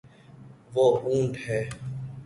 وہ اونٹ ہے